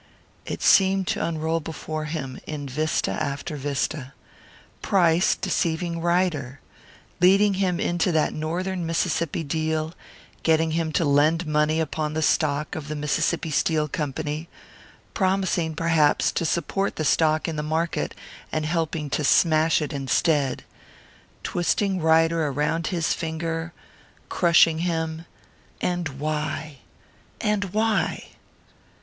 It seemed to unroll before him, in vista after vista. Price deceiving Ryder! leading him into that Northern Mississippi deal; getting him to lend money upon the stock of the Mississippi Steel Company; promising, perhaps, to support the stock in the market, and helping to smash it instead! Twisting Ryder around his finger, crushing him and why? And why?